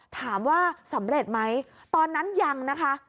ถามว่าสำเร็จไหมตอนนั้นยังนะคะ